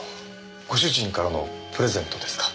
ご主人からのプレゼントですか。